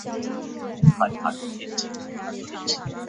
卡特曼则因为太晚到商店而没买所以羡慕着阿尼。